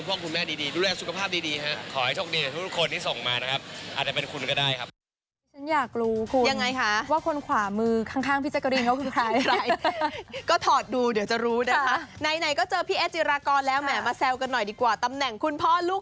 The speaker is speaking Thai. แป๊บลูกสามแล้วค่ะคุณ